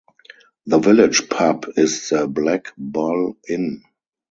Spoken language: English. The village pub is the Black Bull Inn.